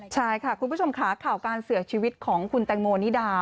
ใช่ค่ะคุณผู้ชมค่ะข่าวการเสียชีวิตของคุณแตงโมนิดา